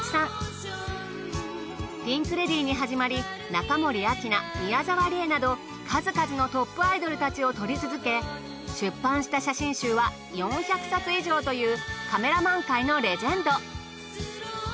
ピンク・レディーに始まり中森明菜宮沢りえなど数々のトップアイドルたちを撮り続け出版した写真集は４００冊以上というカメラマン界のレジェンド。